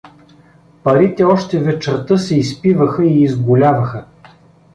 Парите още вечерта се изпиваха и изгуляваха.